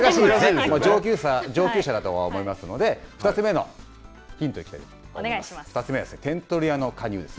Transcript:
上級者だとは思いますので、２つ目のヒントいきたいと思います。